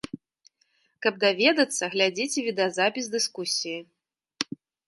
Каб даведацца, глядзіце відэазапіс дыскусіі.